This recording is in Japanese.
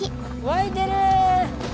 沸いてる！